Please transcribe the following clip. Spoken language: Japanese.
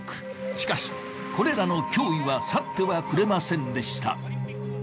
しかし、コレラの脅威は去ってはくれませんでした。